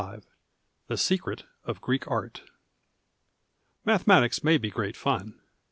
Ib8 THE SECRET OF GREEK ART Mathematics may be great fun.